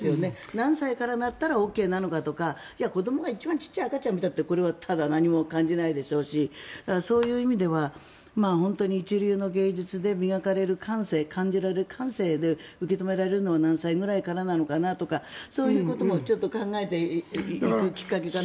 何歳からだったらＯＫなのかとか子どもが一番ちっちゃい赤ちゃんが見たってこれはただ何も感じないでしょうしそういう意味では本当に一流の芸術で磨かれる感性で受け止められるのは何歳くらいなのかなとか考えていくきっかけかな。